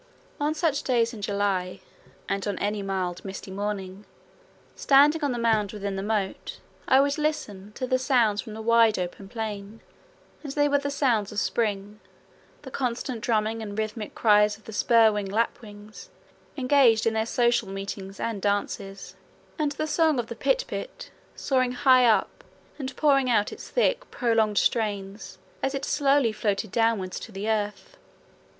On such days in July and on any mild misty morning, standing on the mound within the moat I would listen to the sounds from the wide open plain, and they were sounds of spring the constant drumming and rhythmic cries of the spur wing lapwings engaged in their social meetings and "dances," and the song of the pipit soaring high up and pouring out its thick prolonged strains as it slowly floated downwards to the earth.